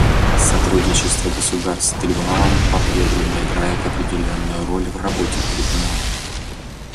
Сотрудничество государств с Трибуналом по-прежнему играет определяющую роль в работе Трибунала.